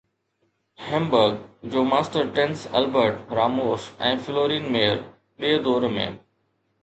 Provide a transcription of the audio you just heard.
Hamburg جو master tennis Albert Ramos ۽ Florian Mayer ٻئي دور ۾